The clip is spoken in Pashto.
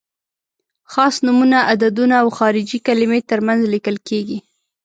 خاص نومونه، عددونه او خارجي کلمې تر منځ لیکل کیږي.